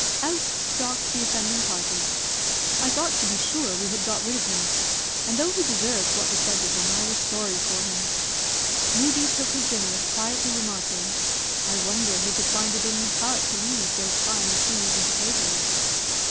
Out stalked the offending party. I thought, to be sure, we had got rid of him; and though he deserved what was said to him, I was sorry for him. Moodie took his dinner, quietly remarking, "I wonder he could find it in his heart to leave those fine peas and potatoes."